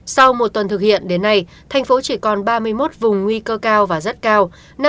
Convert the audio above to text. sau một tuần thực hiện đến nay thành phố chỉ còn ba mươi một vùng nguy cơ cao và rất cao